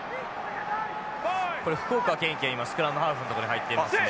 これ福岡堅樹が今スクラムハーフのとこに入っていますね。